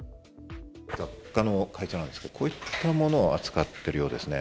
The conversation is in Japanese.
雑貨の会社なんですけど、こういったものを扱っているようですね。